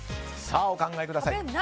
お考えください。